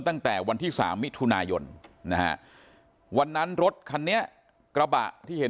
ตั้งแต่วันที่๓มิถุนายนนะฮะวันนั้นรถคันนี้กระบะที่เห็น